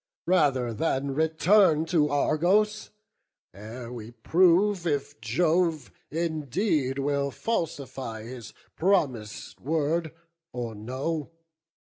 —rather than return To Argos, ere we prove if Jove indeed Will falsify his promis'd word, or no.